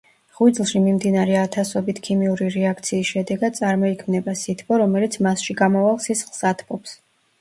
ღვიძლში მიმდინარე ათასობით ქიმიური რეაქციის შედეგად წარმოიქმნება სითბო, რომელიც მასში გამავალ სისხლს ათბობს.